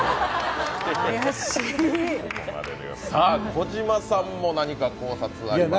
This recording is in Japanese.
児嶋さんも何か考察ありますか？